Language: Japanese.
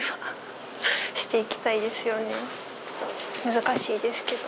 難しいですけど。